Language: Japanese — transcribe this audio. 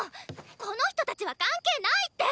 この人達は関係ないって！